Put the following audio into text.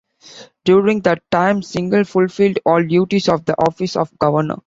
During that time, Singel fulfilled all duties of the office of governor.